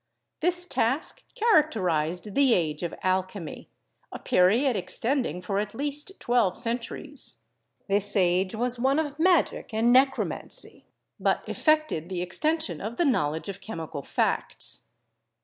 This task characterized the Age of Alchemy, a period extending for at least twelve centuries. This age was one of magic and necromancy, but effected the exten sion of the knowledge of chemical facts.